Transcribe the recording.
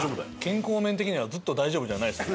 健康面的にはずっと大丈夫じゃないです。